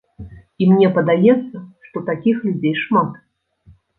І мне падаецца, што такіх людзей шмат.